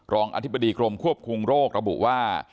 อธิบดีกรมควบคุมโรคระบุว่า